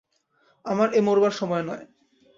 আমার এ মরবার সময় নয়।